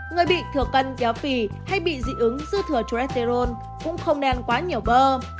người bị thừa cân béo phì hay bị dị ứng dư thừa cholesterol cũng không nên ăn quá nhiều bơ